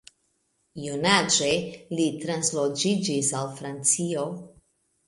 Junaĝe li transloĝiĝis al Francio.